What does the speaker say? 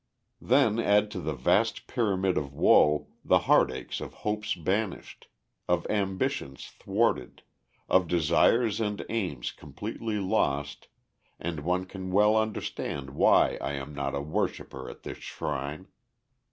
] Then add to the vast pyramid of woe the heartaches of hopes banished, of ambitions thwarted, of desires and aims completely lost, and one can well understand why I am not a worshiper at this shrine.